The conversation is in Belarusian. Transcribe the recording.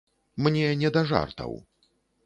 Мне не да жартаў!